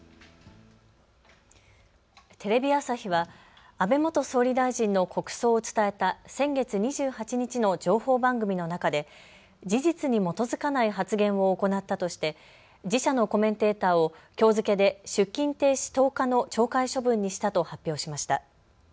テレビ朝日は安倍元総理大臣の国葬を伝えた先月２８日の情報番組の中で事実に基づかない発言を行ったとして自社のコメンテーターをきょう付けで出勤停止１０日の懲戒処分にしたと発表しました。